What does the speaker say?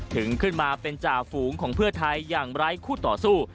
ถึงขึ้นมาเป็นจ่าฝูงของเพื่อไทยอย่างไร้คู่ต่อสู้